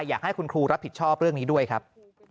อยากให้คุณครูรับผิดชอบเรื่องนี้ด้วยครับ